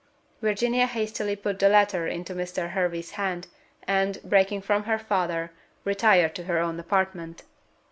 Virginia hastily put the letter into Mr. Hervey's hand, and, breaking from her father, retired to her own apartment.